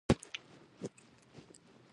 ایا زه باید ورک شم؟